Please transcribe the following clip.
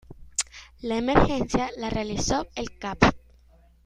La emergencia la realizó el Cap.